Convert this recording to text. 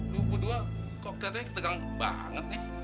lu kedua kok katanya ketegang banget nek